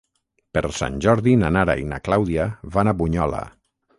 Per Sant Jordi na Nara i na Clàudia van a Bunyola.